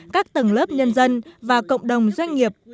các tầng lớp nhân dân và cộng đồng doanh nghiệp